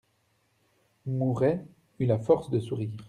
Mouret eut la force de sourire.